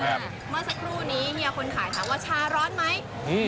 เมื่อสักครู่นี้เฮียคนขายถามว่าชาร้อนไหมอืม